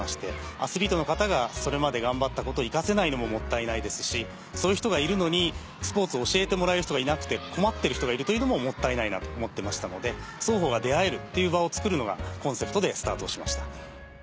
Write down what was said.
アスリートの方がそれまで頑張ったことを生かせないのももったいないですしそういう人がいるのにスポーツを教えてもらえる人がいなくて困ってる人がいるというのももったいないなと思ってましたので双方が出会えるっていう場をつくるのがコンセプトでスタートしました。